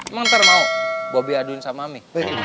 emang ntar mau bobby aduin sama mami